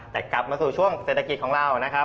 แต่กลับมาสู่ช่วงเศรษฐกิจของเรานะครับ